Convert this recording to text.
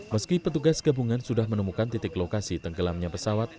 meski petugas gabungan sudah menemukan titik lokasi tenggelamnya pesawat